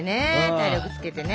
体力つけてね。